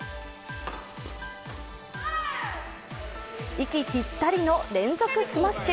息ぴったりの連続スマッシュ。